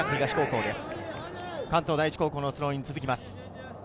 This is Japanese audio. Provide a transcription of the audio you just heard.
関東第一高校のスローインが続きます。